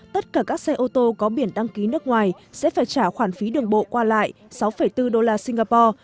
tất cả các xe ô tô có biển đăng ký nước ngoài sẽ phải trả khoản phí đường bộ qua lại sáu bốn đô la singapore